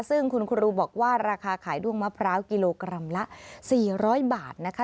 ซึ่งคุณครูบอกว่าราคาขายด้วงมะพร้าวกิโลกรัมละ๔๐๐บาทนะคะ